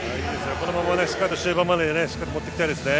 このまましっかり終盤まで持っていきたいですね。